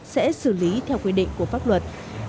sẽ xử lý theo quy định của pháp luật